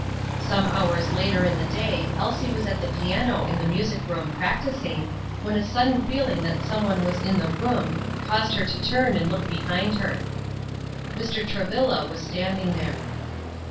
Some hours later in the day Elsie was at the piano in the music room practising, when a sudden feeling that some one was in the room caused her to turn and look behind her. Mr. Travilla was standing there.